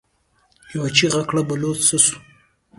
يوه چيغه کړه: بلوڅ څه شو؟